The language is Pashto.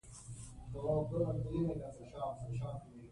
د املاء د یووالي لپاره طرحه پکار ده.